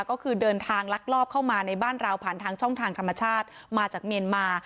ก็คือเดินทางลักลอบเข้ามาในบ้านเราผ่านทางช่องทางธรรมชาติมาจากเมียนมา